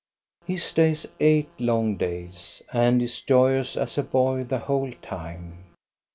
He stays eight long days, and is joyous as a boy the whole time.